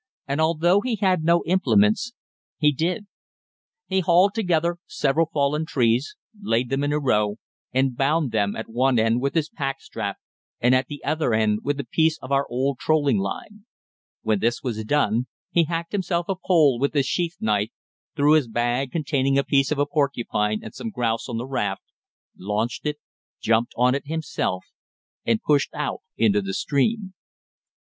And, although he had no implements, he did. He hauled together several fallen trees, laid them in a row and bound them at one end with his pack strap and at the other with a piece of our old trolling line. When this was done, he hacked himself a pole with his sheath knife, threw his bag containing a piece of a porcupine and some grouse on the raft, launched it, jumped on it himself and pushed out into the stream.